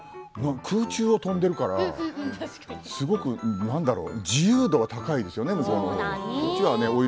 空中を飛んでいるからすごく、なんだろう自由度が高いですよね